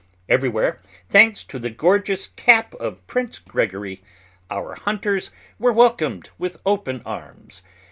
Everywhere, thanks to the gorgeous cap of Prince Gregory, our hunters were welcomed with open arms.